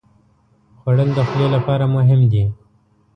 خوړل د خولې لپاره مهم دي